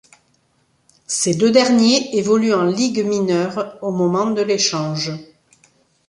Ces deux derniers évoluent en ligue mineure au moment de l'échange.